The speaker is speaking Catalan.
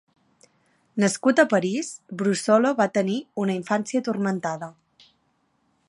Nascut a Paris, Brussolo va tenir una infància turmentada.